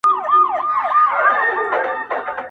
د لمر رڼا هم کمزورې ښکاري په هغه ځای,